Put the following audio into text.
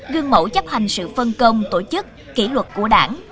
gương mẫu chấp hành sự phân công tổ chức kỷ luật của đảng